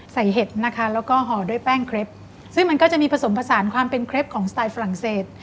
เห็ดนะคะแล้วก็ห่อด้วยแป้งเครปซึ่งมันก็จะมีผสมผสานความเป็นเครปของสไตล์ฝรั่งเศส